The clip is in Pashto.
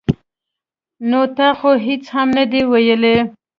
ـ نو تا خو هېڅ هم نه دي ویلي.